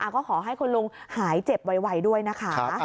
ก็ขอให้คุณลุงหายเจ็บไวด้วยนะคะ